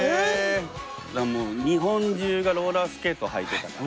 もう日本中がローラースケートを履いてたから。